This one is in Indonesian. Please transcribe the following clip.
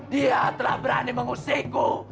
dia telah berani mengusikku